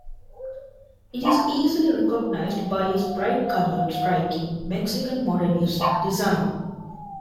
It is easily recognized by its bright-colored, striking "Mexican Modernist" design.